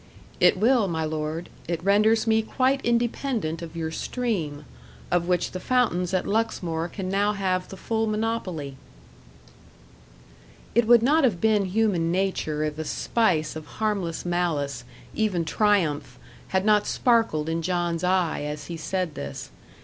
"It will, my lord. It renders me quite independent of your stream, of which the fountains at Luxmore can now have the full monopoly." It would not have been human nature if a spice of harmless malice even triumph had not sparkled in John's eye, as he said this.